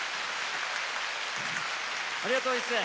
ありがとう一世。